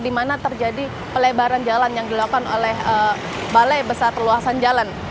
untuk menyebabkan terjadi pelebaran jalan yang dilakukan oleh balai besar terluasan jalan